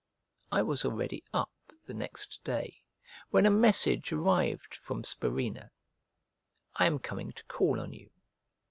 I was already up, the next day, when a message arrived from Spurinna, "I am coming to call on you."